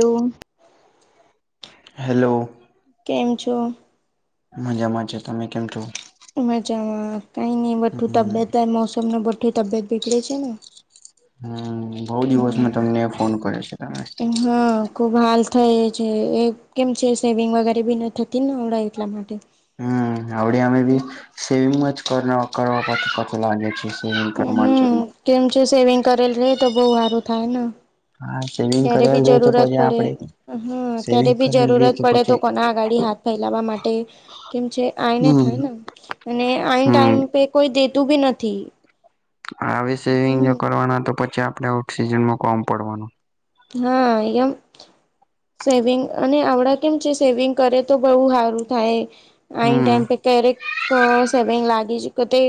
હમ. Hello. કેમ છો? મજામાં છે. તમે કેમ છો? મજામાં કઈ નઈ, બધું હમ તબિયત. મોસમ ને બધું તબિયત બીગળે છે ને. હમ, બઉ હમ દિવસમાં તમને ફોન કર્યો છે, તમે. હા, ખુબ હાલ થઈ છે. એ કેમ છે, સેવિંગ વગેરે બી થતી ને આવે એટલા માટે. હમણાં આડ અમે બી સમંગ કરવાછ પછી લાગી છે. સેવિંગ કરવા માટે હમ કેમ છે, સેવિંગ કરેલ રહે તો બહ સારું થાયને. હા. સેવિંગ ક્યારે બી કરેલ રે તો જરૂરત પછી પડે, આપડે હમ ક્યારે સેવિંગ ભી કરેલ રે જરૂરત પડે તો પછી કોના આગાડી હાથ ફેલાવા માટે કેમ છે, આઈને હમ થાય ને? અને આ હમ ટાઈમ પે કોઈ દેતું બી નથી. આવી સેવિંગ હમ જો કરવાના તો પછી આપડે ઓટ સિજનમાં કોમ પડવાનું. હા, અહીંયા. સેવિંગ અને આવડા કેમ છે? સેવિંગ કરે તો બહુ સારું થાય. આ ટાઈમ હમ પ ક્યારેક સેવિંગ લાગી છે, કે તે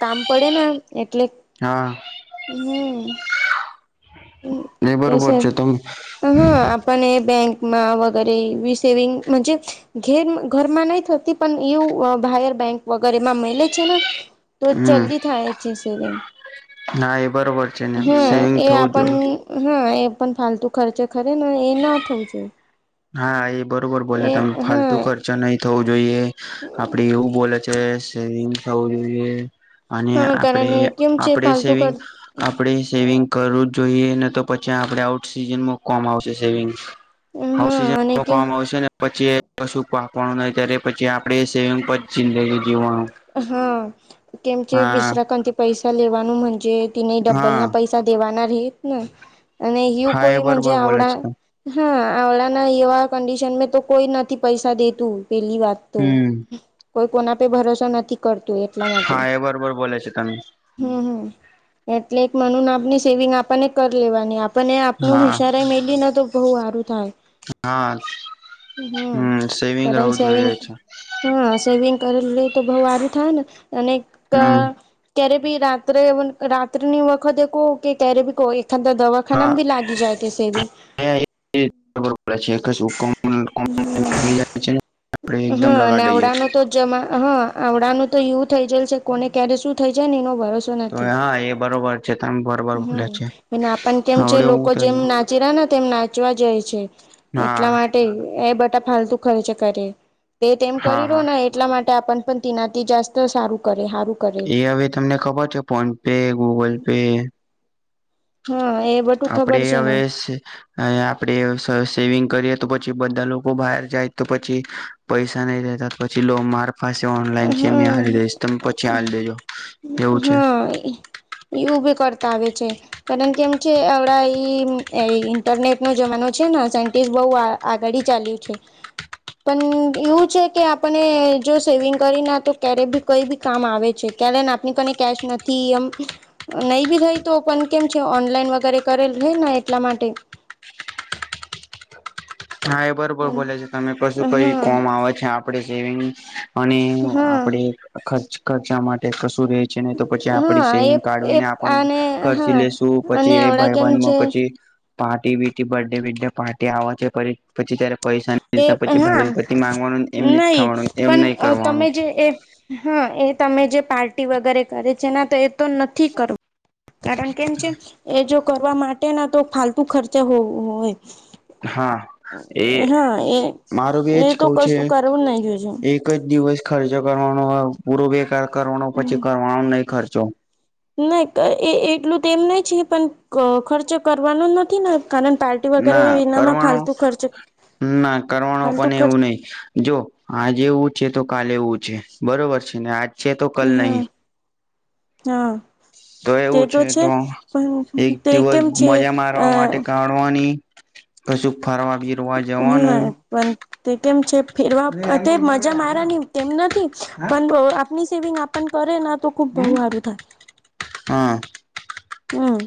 કામ પડે ને એટલે હા. એ [unintelligible] હ, એ તે છે. બરોબર તમે હ હા. બેંકમાં વગરે સેવિંગ ઘેર ઘરમાં નહી થતી. પણ એવું ભાયર બેંક વગેરેમાં મળેલે છે ને. તો હમ જલ્દી થાય છે રિંગ, હા એ બરોબર છે ને હા સેવિંગ એ થવું આપ. જોઈએ હા, એ પણ ફાલતુ ખર્ચે ખરે ને, એ ના થવું જોઈએ. હા, એ બરોબર બોલે તમે, એ ફાલતુ હા ખર્ચ. નહી થવું જોઈએ આપડી એવું, બોલે છે સેિંગ થવું જોઈએ. અને હા આપણે કારણ કેમ છે આપણે ફાલતુ સેવિંગ ખર્ચ આપણે સેવિંગ કરવું જ જોઈએ ને, તો પછી આપડે આઉટ સિઝનમાં કોમ આવશે સેવિંગસ હા અને કે હક્સિજનકવામાં આવશે ને. પછી કશું પાપવાનું ન ત્યારે પછી આપણેે સેવિંગ પર જિંદગી જીવવાનું. હા, કેમ કે હા વિશ્વાસથી પૈસા લેવાનું, જે તેને ડબલ હા ના પૈસા દેવાના, અને હિ હા એ કોઈ પણ બરોબર બોલે આવડા. છે તમે હા, આવળ ના એવા કડિશન તો કોઈ નથી પૈસા દેતું. પેલી વાત તો હમ કોઈ કોના પે ભરોસો નથી. કરતું, એટલા માટે. હા એ બરોબર બોલે છે તમે હમ, હમ એટલે એક મનુ નામ ની આપની સેવિંગ આપણને કરી લેવાની આપણે. આપને આપનું હા હુશારા મેલી નાને તો બહુ સારું થાય. હા, હમ સેવિંગ કરંટ રહેવું સેવિંગ જોઈએ. હા, સ્વિંગ કરેલું તો બહુ હારું થાય ને. અને હમ ક્યારે ભી, રાત્રે રાત્રની વખતે કહો કે ક્યારે ભી કહો, એ ખા દવા. હા દવાખાનામા ભી લાગી જાય તે સેવિંગ. ખબર પડે છે. લાગી જાય, આપણે એકદમ લગા દઈએ. જ હા, આવડા નું તો એવું થઈ જાય છે, કોને ક્યારે શું થઈ જાય ને એનો વર્ષ. તો હા એ બરોબર છે તમે બરોબર ભૂલે છે આપણેને કેમ છે, હવડે હું લોકો થઈ જેમ જાય ના? ક ચીરાના તેમ નાચવા જાય છે. હા એટલા માટે એ બટા ફાલતુ ખર્ચે કરી તે તેમ કરી હા રહ્યો હા ને એટલા માટે આપણ પણ તીનાથી જાસ્ત સારું કરે હારું એ હવે તમને ખબર છે ફોન પે ગૂગલ પે. હા એ બ આપડે હવે અ આપડે સ સેવિંગ કરીએ તો પછી બધા લોકો બહાર જાય તો પછી પૈસા નહી દેતા પછી લો માર પાસે ઓનલાઈન છે મે હા હારીલી દઈશ તમે પછી હારી દેજો એવું છે. હા. એ ઉ બી કરતા આવે છે. કારણ કે એમ છે આવડા ઈ ઇન્ટરનેટ નો જમાનો છે સાયન્ટિસ્ટ બહ આ આગાડી ચાલ્યું છે પણ એવું છે કે આપણે જો સેવિંગ કરી ના તો ક્યારે બી કોઈ બી કામ આવે છે ક્યારે આપની કને કેશ નથી એમ નહી બી રહી તો પણ કેમ છે ઓનલાઈન વગેરે કરેલ રહે એટલા માટે. હા એ બરોબર બોલે છે તમે કશું કઈ હા કોમ આવે છે આપડે સેવિંગ અને હા આપડે ખર્ ખર્ચા માટે કશું રે છે ને તો પછી આપ હા એ સેવિંગ એ કાઢવીને અને ખર્ચી હા લેશું અને પછી એ આવડા ભાઈ કેમ બહેનમાં છે પછી પાર્ટી બીટી બર્ડે બીડે પાર્ટી આવે છેરી એ હા પતિ માંગવાનું એમને જ નહી ખાવાનું એમ પણ નહી તમે કરવાનું જે એ હા એ તમે જે પાર્ટી વગેરે કરે છે તો એ તો નથી કરો કારણ કેમ છે એ જો કરવા માટે ના તો ફાલતુ ખર્ચે હો હોય. હા એ હા એ મારું બી એ એજ તો કવું છે કશું કરવું નાહી જોય જે. એક જ દિવસ ખર્ચો કરવાનો હોય પૂરો બેકાર કરવાનો પછી કરવાનો નહી ખર્ચો નય એ એટલું તો એમ ના છે પણ ખર્ચ કરવાનો નથી કારણ પાર્ટ ના કરવાનો ના કરવાનો ફાલતુ પણ ખર્ચ એવું નહી જો આજે એવું છે તો કાલે એવું છે બરોબર છે ને આજ છે તો કલ હા નહી હા તે તો છે એક પણ તે દિવસ કેમ છે મજા અ મારવા [unintelligible] કશું ફરવા બી હમ્મ [unintelligible] તે કેમ છે ફેરવા તે મજા મારાની તેમ નથી પણ આપની સેવિંગ આપ પણ કરે ના તો ખુબ બહુ હારું થાય. હા. હમ્મ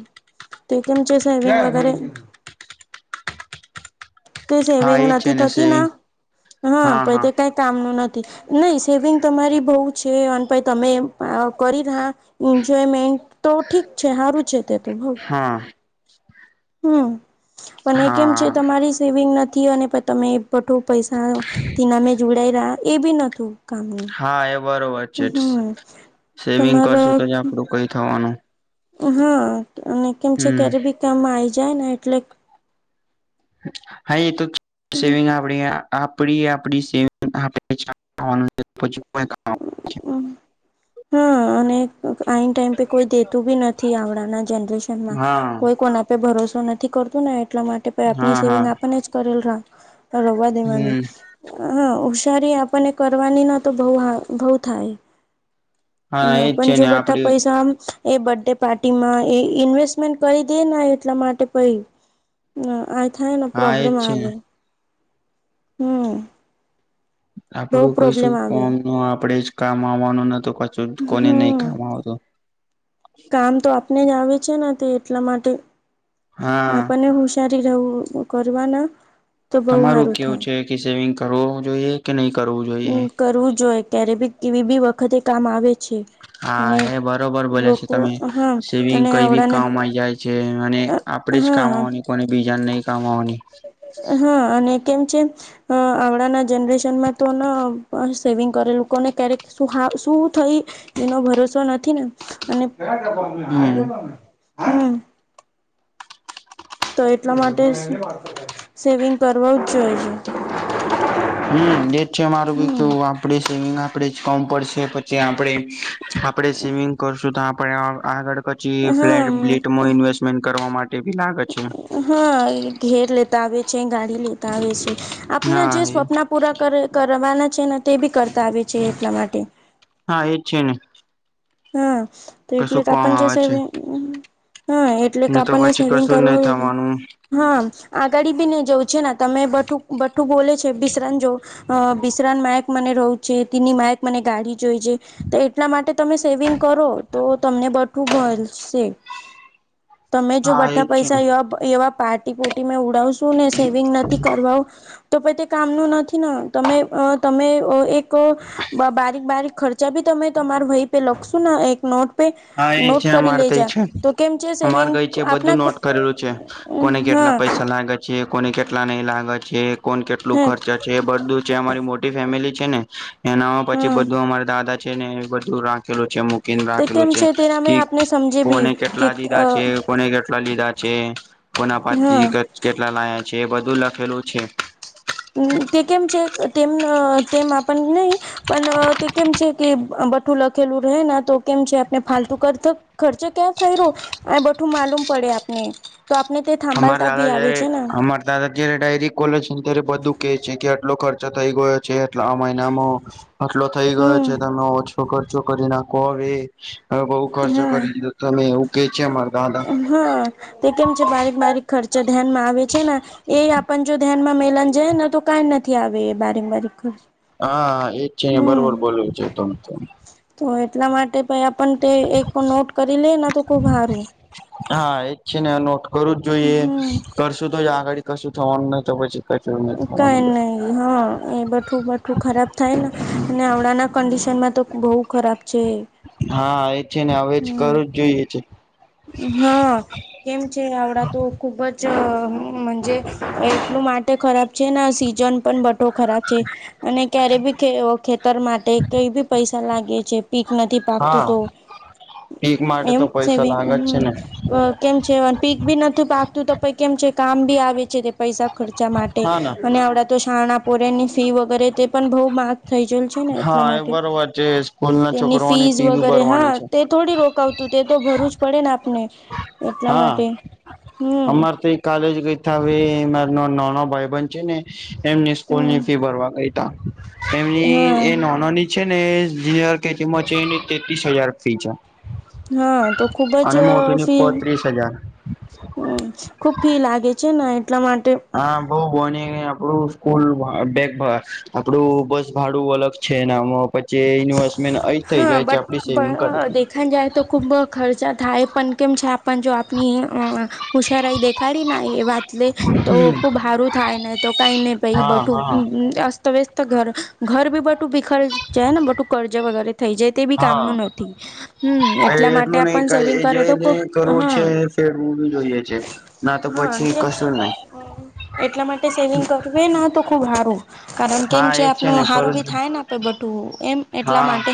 તે કેમચ સૈવી વગેરે તે હા સેવિંગ એ છે નથી ને થતી સેવિંગ હા પણ તે કઈ કામનું નથી નહી સેવિંગ તમારી બહ છે અને ભાઈ તમે કરી રહ્યા એન્જોયમેન્ટ તો ઠીક છે સારું છે તે તો હા. હમ્મ પણ એ કેમ છે હા તમારી સેવિંગ નથી અને તમે બઠો પૈસા તેના મેં જોડાઈ રહ્યા એ બી નતું કામનું હા એ બરોબર છે હમ સેવિંગ તમારો કરશું તો જ આપડું કઈ થવાનું. હા અને કેમ છે હમ ક્યારે બી કામ આવી જાય ને એટલે હા એ તો ચ સેવિંગ આપ આપડી આપડી સેવિંગ આપ ખવાનું પછી અમ હમ્મ અને આઈ ટાઈમ પે કોઈ દેતું બી નથી આવડાના જનરેશનમાં હા કોઈ કોના આપે ભરોસો નથી કરતું ને એટલા માટે હા આપની હા સેવિંગ આપને જ કરેલ રવા દેવાની હમ હા ઓશારી આપણને કરવાની ન તો બ બહુ થાય. હા ના એજ પણ છે જો ને બટા આપડે પૈસા એ બર્થડે પાર્ટી માં એ ઇન્વેસ્ટમેન્ટ કરી દેને એટલા માટે પ હ આય થ હા એજ પ્રોબ્લેમ છે આ ને હમ બહુ આપડું કઈ શું પ્રોબ્લેમ આવે કોમ ન આપડે જ કામ આવવાનું નતું કછું કોને નહી હમ કામ આવતું કામ તો આપને જ આવે છે ને તે એટલા માટે હા આપણને હુશારી રહવું કરવાના તો બહુ તમારું સારું કેવું થાય. છે કે સેવિંગ કરવું જોઈએ કે નહી કરવું જોઈએ હમ કરવું જોઈએ ક્યારે બી કેવી બી વખતે કામ આવે છે હા અને હ બરોબર બોલા છેો લોકો તમે હા સેવિંગ અને કઈ બી આવડાના કામમાં જાય છે અને આપડે જ હા કામવા લોકોને બીજાને નહી કામવાની હા અને કેમ છે અ આવડાના જનરેશનમાં તો સેવિંગ કરે લોકોને ક્યારેક શું થઈ એનો ભરોસો નથી ને અને હમ હમ તો એટલા માટે સેવિંગ કરવાું જ જોએ છે હમ લેટ છે મારું હમ આપડ સેિંગ આપડે જ કોમ પડશે પછી આપડે આપણે સ્મિંગ કરશું તો આપણે આગળ પછી હા ફ્લેટ બ્ટ ઇન્વેસ્ટમેન્ટ કરવા માટે ભી લાગે છે હા ઘેર લેતા આવે છે ગાડી લેતા આવે છે આપના જે હા એ સપના પૂરા કરે કરવાના છે ને તે બી કરતા આવે છે એટલા માટે હા એજ છે ને હા તો એટલે કશું આપ કોમ જસ આવે એ છે હા એટલે ને કે તો આપણને પછી સેવિંગ કશું કરવ નહી જો થવાનું હા આગળ બી નને જવં છે ને તમે બું બઠું બોલે છે બિશ્રણ જો અ બિશરાન માયક મને રહું છે તેની માયક મને ગાઢી જોઈ છે તો એટલા માટે તમે સેવિંગ કરો તો તમને બઠું મળશે તમે જો હા બઠા એજ છે પૈસા ને એવા એવા પાર્ટી પુર્ટી મે ઉડાવશું ને સેવિંગ નથી કરવા તો પ તે કામનું નથી તમે તમે એક બારીક બારીક ખર્ચા ભી તમે તમાર વય પે લખશો ને એક નોટ હા એ નોટ છે કરી અમારે લેજ તો છે તો કેમ છે અમારે સેવિંગ કઈ છે આપ બધું નોટ કરેલું છે કોને કેટલા પૈસા લાગે છે કોને કેટલા નહીં લાગે છે કોને કેટલું હે ખર્ચે છે બધું જે અમારી મોટી ફેમિલી છે ને એનામાં પછી હા બધું અમારા દાદા ને એ બધું રાખેલું છે મુકી તો રાખેલું કેમ છે તેના કે મેં આપને સમજે બી કોને કે કેટલા લીધા છે કોને કેટલા લીધા છે કોના પાથી હા કેટલા લાયા છે એ બધું લખેલું છે તે કેમ છે તેમમમ આપ નહી પણ તે કેમ છે કે બઠું લખેલું રહેે તો કેમ છે આપને ફતુ કર ખર્ચ ક્યાં થાય રહ્યો આ બઠું માલુમ પડે આપને તો આપને તે અમારા થંભાલતા દાદા ભી આવે જયારે છે ને અમારા દાદા જયારે ડાયરી ખોલે છે ને ત્યારે બધું કે છે કે આટલો ખર્ચો થઇ ગયો છે એટલા આ મહિનામાં આટલો થઈ ગયો છે હમ તમે ઓછો કરર્ચો કરી નાખો હવે હવે બઉ ખર્ચો હા કરી દીધો તમે એવું કે છે અમારા દાદા મારી ખર્ચ ધ્યાનમાં આવે છે ને એ આપણ જો ધ્યાનમાં મેલન જને તો કંઈ નથી આવે એ બારીક બક હા હા એજ છે બરોબર બોલું છે તમે તો તો એટલા માટે પ પણ તે એક નોટ કરી લેને તો ખુબ સારું હા એજ છે ને નોટ કરવું જ જોઈએ હમ કરશું તો આગળડી કશું થવાનું ન તો પછી કશું નહી કઈ થવાનું નહી હા એ બઠું બું ખરાબ થાય ને અને આવણાંના કંડિશનમાં તો બહુ ખરાબ છે હા એ છે ને હવે જ હમ કરું જ જોઈએ છે હા કેમ છે આવડા તો ખુબ જ મંજે એટલું માટે ખરાબ છે સીઝન પણ બટો ખરાબ છે અને ક્યારે બી ખેતર માટે કઈ ભી પૈસા લાગે છે પીક નથી પાકતું તો હા પીક માટે એમ તો પૈસા સેવે લાગે જ હમ છે ને કેમ છે પીક ભી નથીું પાકતું તો પ કેમ છે કામ ભી આવે છે તે પૈસા ખર્ચા માટે હા ના અને આવડા તો શાણાપોરેની ફી વગેરે તે પણ બહુ માહા થઈ જલ છે ને એટલા હા એ માટે બરોબર છે સ્કૂલ ના તેની છોકરોની ફીઝ ફી બી વગેરે હા ભરવાની છે તે થોડી રોકાવતું તે તો ભરું જ પડે ને આપને એટલા માટે હમ કાલેજ ગઈ થાવે માર નાનો ભાઈ બન છે ને એમની સ્કૂલ ની ફી હમ ભરવા ગઈ તેમની હા નાનાની છે ને જર કે તેમાં છે એની તેત્રીસ હજાર ફી છે હા તો ખુબ જ અને મોટીની ફી પત્રીસ હજાર હ ખૂબ ફી લાગે છે ને એટલા માટે હા બઉ બોને આપડું સ્કૂલ બેગ આપડું બસ ભાડું અલગ છે નામાં પછી ઇન્વેસ્ટમેન્ટ અ થઈ જાય જે આપડી સેવિંગ કર ખં જાય તો ખૂબ ખર્ચા થાય પણ કેમ છે આપના જો આપણી હું સારાઈ દેખાડીને એ વાત લે તો ખુબ હારું થાય ને તો કઈની પહી બ હા તો હા અસ્તવ્યસ્ત ઘ ઘર બી બટું બિખર જાય ને બટું કર્જ વગેરે થઈ જાય તે બી હા કામનું નથી હમ એટલા માટે એટલું આ નહી પણ સેવિંગ એ કરે તો ખુબ જે કરવું હા [unintelligible] જોઈએ છે ના તો પછી કશું નહી હ એટલા માટે સેવિંગ કરવી ના તો ખુબ હારું કારણ કેમ હા છે એજ ને આપનું હારું કરું બી છું. થાય ને આપડે બટું એમ એટલા હા માટે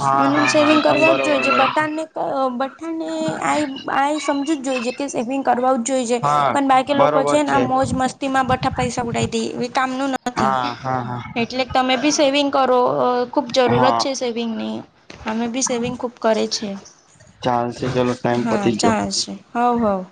હા મન હા હા સેવિંગ એકદમ કરવા જ બરોબર જોઈએ જે બ બટન બઠ્ઠાને આઈ આઈ સમજુ જ જોઈ છે કે સેવિંગ કરવા જ જોઈ છે હા પણ બાકી લોકો છે બરોબર ને મોજ મસ્તી માં બઠા પૈસા ઉડી દે એવી કામનું નથી હ એટલે તમે બી સેવિંગ કરો ખૂબ જરૂરત હા છે સેવિંગની અમે બી સેવિંગ ખૂબ કરએ છે ચાલ છે ચલો ટાઈમ હા પતી ગયો ચાલશે હવ હવ